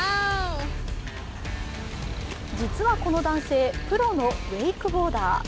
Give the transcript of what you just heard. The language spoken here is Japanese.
実はこの男性、プロのウェイクボーダー。